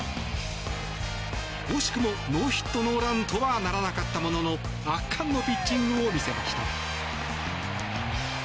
惜しくもノーヒットノーランとはならなかったものの圧巻のピッチングを見せました。